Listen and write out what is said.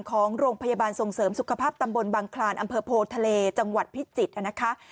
ของโรงพยาบาลส่งเสริมสุขภาพตำบลบังคลานอำเภอโพทะเลจังหวัดพิจิตรนะคะ